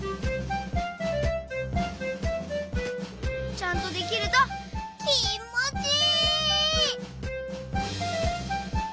ちゃんとできるときもちいい！